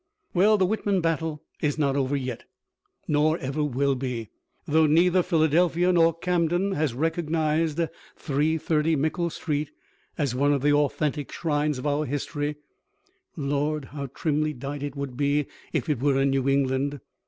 Well, the Whitman battle is not over yet, nor ever will be. Though neither Philadelphia nor Camden has recognized 330 Mickle Street as one of the authentic shrines of our history (Lord, how trimly dight it would be if it were in New England!)